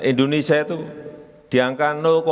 indonesia itu diangka empat puluh lima empat puluh lima